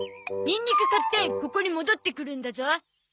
にんにく買ってここに戻ってくるんだゾ。